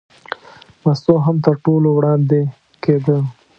مستو هم تر ټولو وړاندې کېده.